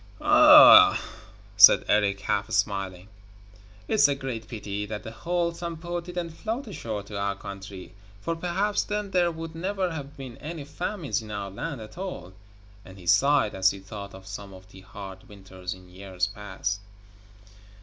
'Ah!' said Erik, half smiling, 'it's a great pity that the whole Sampo didn't float ashore to our country, for perhaps then there would never have been any famines in our land at all,' and he sighed as he thought of some of the hard winters in years past.